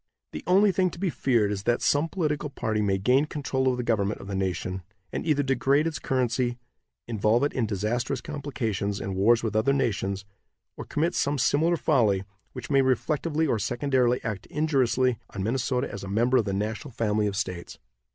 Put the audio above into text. The only thing to be feared is that some political party may gain control of the government of the nation, and either degrade its currency, involve it in disastrous complications and wars with other nations, or commit some similar folly which may reflectively or secondarily act injuriously on Minnesota as a member of the national family of states.